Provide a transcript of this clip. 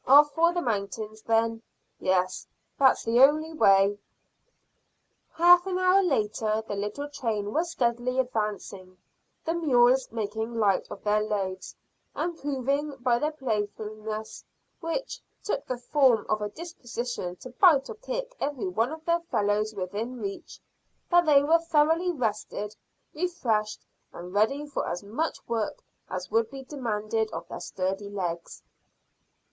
"Off for the mountains, then. Yes, that's the only way." Half an hour later the little train was steadily advancing, the mules making light of their loads, and proving by their playfulness which took the form of a disposition to bite or kick every one of their fellows within reach that they were thoroughly rested, refreshed, and ready for as much work as would be demanded of their sturdy legs.